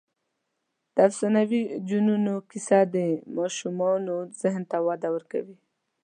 د افسانوي جنونو کیسه د ماشومانو ذهن ته وده ورکوي.